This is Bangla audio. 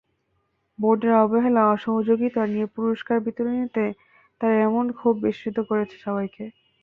বোর্ডের অবহেলা, অসহযোগিতা নিয়ে পুরস্কার বিতরণীতেই তাঁর এমন ক্ষোভ বিস্মিত করেছে সবাইকে।